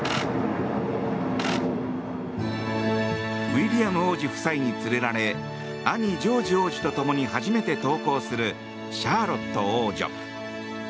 ウィリアム王子夫妻に連れられ兄ジョージ王子と共に初めて登校するシャーロット王女。